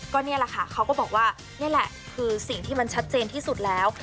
ก็นี่แหละค่ะเขาก็บอกว่านี่แหละคือสิ่งที่มันชัดเจนที่สุดแล้ว